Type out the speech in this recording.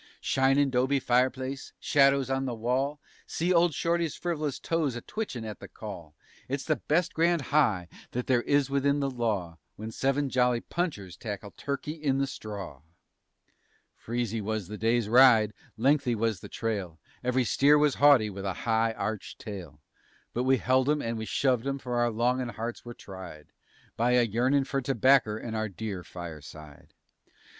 _Shinin' 'dobe fireplace, shadows on the wall _ (See old Shorty's friv'lous toes a twitchin' at the call:) It's the best grand high that there is within the law When seven jolly punchers tackle "Turkey in the Straw." Freezy was the day's ride, lengthy was the trail, Ev'ry steer was haughty with a high arched tail, But we held 'em and we shoved 'em, for our longin' hearts were tried By a yearnin' for tobacker and our dear fireside.